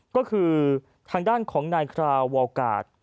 ก็คือทางด้านของนายคราวอลกาศ